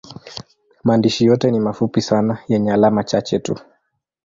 Maandishi yote ni mafupi sana yenye alama chache tu.